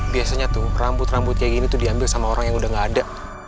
biasanya tuh rambut rambut kayak gini tuh diambil sama orang yang udah gak ada